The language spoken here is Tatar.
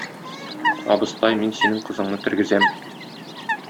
Абыстай, мин синең кызыңны тергезәм.